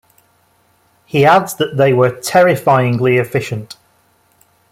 He adds that they were terrifyingly efficient.